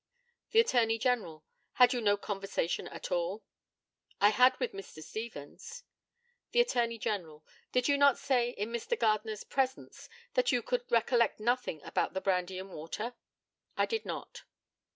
The ATTORNEY GENERAL: Had you no conversation at all? I had with Mr. Stevens. The ATTORNEY GENERAL: Did you not say, in Mr. Gardner's presence, that you could recollect nothing about the brandy and water? I did not.